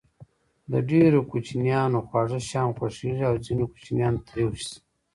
د ډېرو کوچنيانو خواږه شيان خوښېږي او د ځينو کوچنيانو تريؤ شی.